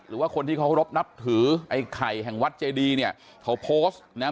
หรือว่าคนที่เคารพนับถือไอ้ไข่แห่งวัดเจดีเนี่ยเขาโพสต์นะฮะ